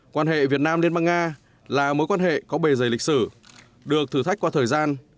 quan hệ việt nam liên bang nga là mối quan hệ có bề dày lịch sử được thử thách qua thời gian